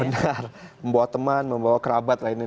benar membawa teman membawa kerabat lainnya